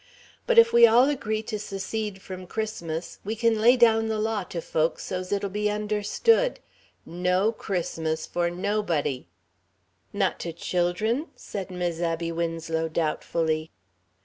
But if we all agree to secede from Christmas, we can lay down the law to folks so's it'll be understood: No Christmas for nobody." "Not to children?" said Mis' Abby Winslow, doubtfully.